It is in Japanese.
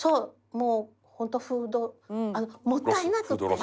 もうホントフードもったいなくってね。